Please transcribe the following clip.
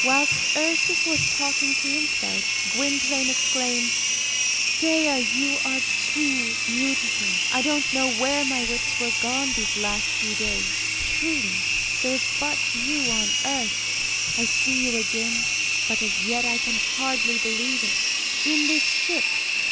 Whilst Ursus was talking to himself, Gwynplaine exclaimed, "Dea, you are too beautiful! I don't know where my wits were gone these last few days. Truly, there is but you on earth. I see you again, but as yet I can hardly believe it. In this ship!